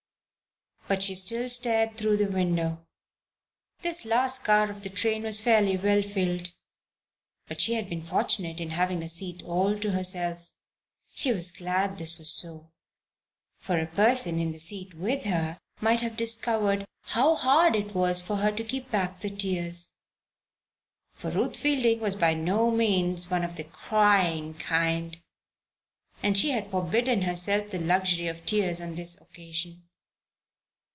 But she still stared through the window. This last car of the train was fairly well filled, but she had been fortunate in having a seat all to herself; she was glad this was so, for a person in the seat with her might have discovered how hard it was for her to keep back the tears. For Ruth Fielding was by no means one of the "crying kind," and she had forbidden herself the luxury of tears on this occasion.